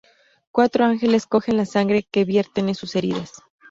Cuatro ángeles cogen la sangre que vierten sus heridas.